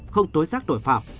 không tối xác tội phạm